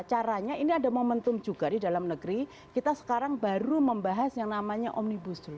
caranya ini ada momentum juga di dalam negeri kita sekarang baru membahas yang namanya omnibus law